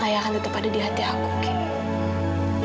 ayah akan tetap ada di hati aku kim